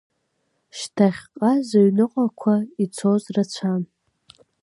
Шҭахьҟа зыҩныҟақәа ицоз рацәан.